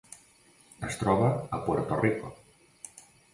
Es troba a Puerto Rico.